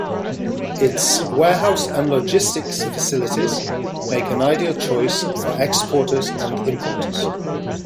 Its warehouse and logistics facilities make an ideal choice for exporters and importers.